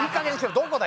どこだ！